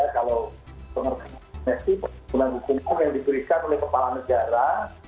kalau pengakuan ini persimpulan hukum yang diberikan oleh kepala negara